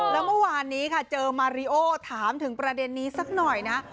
แล้วเมื่อวานนี้ค่ะเจอมาริโอถามถึงประเด็นนี้สักหน่อยนะ